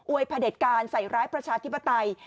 พระเด็จการใส่ร้ายประชาธิปไตย